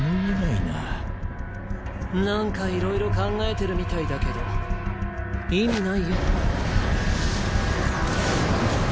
なんかいろいろ考えてるみたいだけど意味ないよ。